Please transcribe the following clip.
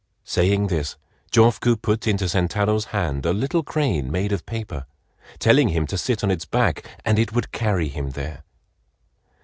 Saying this, Jofuku put into Sentaro's hand a little crane made of paper, telling him to sit on its back and it would carry him there.